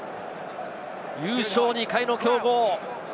優勝２回の強豪。